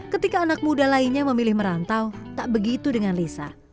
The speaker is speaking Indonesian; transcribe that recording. ketika anak muda lainnya memilih merantau tak begitu dengan lisa